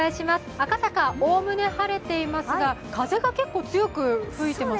赤坂、概ね晴れていますが風が結構強く吹いています。